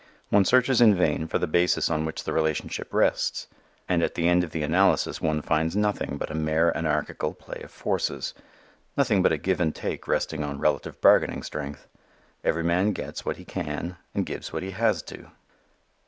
One searches in vain for the basis on which the relationship rests. And at the end of the analysis one finds nothing but a mere anarchical play of forces, nothing but a give and take resting on relative bargaining strength. Every man gets what he can and gives what he has to.